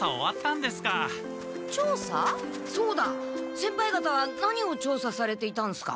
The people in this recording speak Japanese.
先輩方は何をちょうさされていたんすか？